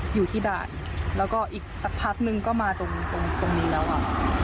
อยู่ที่ด่านแล้วก็อีกสักพักนึงก็มาตรงตรงนี้แล้วอ่ะ